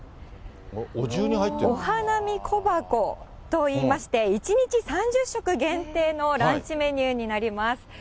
お花見小箱といいまして、１日３０食限定のランチメニューになります。